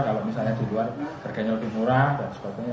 kalau misalnya di luar harganya lebih murah dan sebagainya